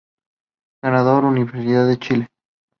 Ganador: Universidad de Chile